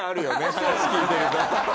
話聞いてると。